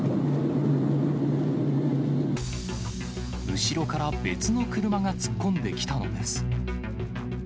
後ろから別の車が突っ込んできたのです。